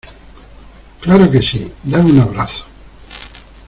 Claro que sí. Dame un abrazo .